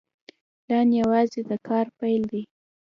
پلان یوازې د کار پیل دی